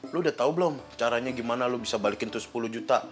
lo udah tau belum caranya gimana lo bisa balikin tuh sepuluh juta